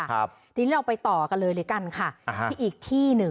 ครับที่นี้เราไปต่อกันเลยเลยกันค่ะอ่าฮะที่อีกที่๑